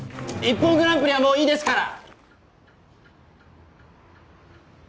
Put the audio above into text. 『ＩＰＰＯＮグランプリ』はもういいですから！